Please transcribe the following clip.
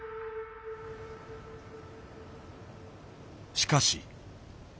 しかし。